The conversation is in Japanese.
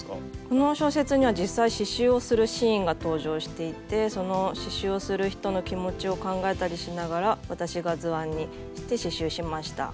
この小説には実際刺しゅうをするシーンが登場していてその刺しゅうをする人の気持ちを考えたりしながら私が図案にして刺しゅうしました。